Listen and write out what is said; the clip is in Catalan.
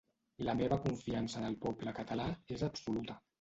La meva confiança en el poble català és absoluta.